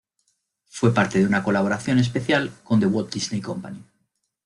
Fue parte de una colaboración especial con The Walt Disney Company.